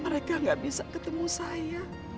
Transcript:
mereka gak bisa ketemu saya